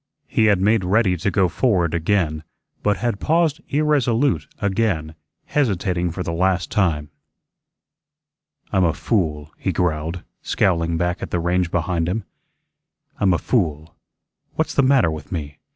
He had made ready to go forward again, but had paused irresolute again, hesitating for the last time. "I'm a fool," he growled, scowling back at the range behind him. "I'm a fool. What's the matter with me?